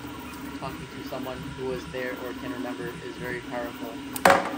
Talking to someone who was there or can remember is very powerful.